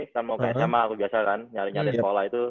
kan mau ke sma aku biasa kan nyari nyari sekolah itu